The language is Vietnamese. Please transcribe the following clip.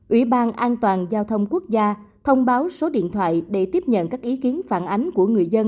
ủy ban an toàn giao thông quốc gia thông báo số điện thoại để tiếp nhận các ý kiến phản ánh của người dân